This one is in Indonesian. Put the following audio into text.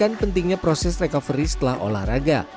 dan pentingnya proses recovery setelah olahraga